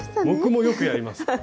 僕もよくやります。